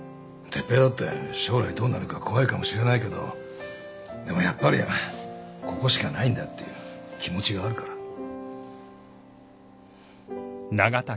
哲平だって将来どうなるか怖いかもしれないけどでもやっぱりここしかないんだっていう気持ちがあるから。